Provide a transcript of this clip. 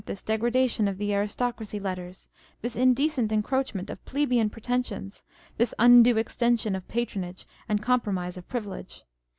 533 this degradation of the aristocracy letters, this indecent encroachment of plebeian pretensions, this undue extension of patronage and compromise of privilege.